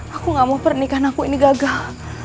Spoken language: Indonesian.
aku gak mau pernikahan aku ini gagal